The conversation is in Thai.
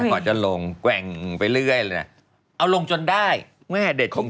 ก่อนจะลงแกว่งไปเรื่อยเอาลงจนได้แม่เด็ดจริง